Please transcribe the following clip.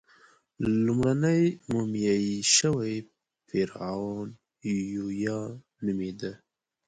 لومړنی مومیایي شوی فرعون یویا نومېده.